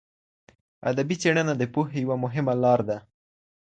ادبي څېړنه د پوهې یوه مهمه لاره ده.